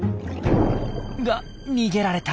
が逃げられた。